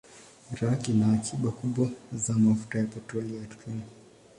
Iraq ina akiba kubwa za mafuta ya petroli ardhini.